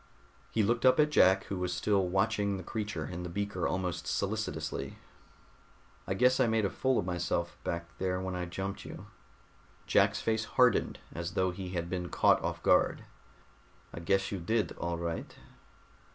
He looked up at Jack who was still watching the creature in the beaker almost solicitously. "I guess I made a fool of myself back there when I jumped you." Jack's face hardened, as though he had been caught off guard. "I guess you did, all right."